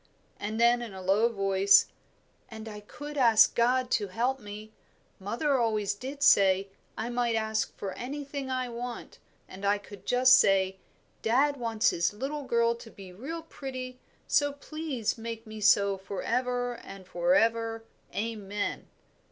And then, in a low voice, "And I could ask God to help me. Mother always did say, I might ask for anything I want; and I could just say, 'Dad wants his little girl to be real pretty, so please make me so for ever and for ever. Amen.'"